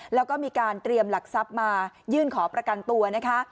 แล้วก็มีการเตรียมหลักทรัพย์มายื่นขอประกันตัวนะคะ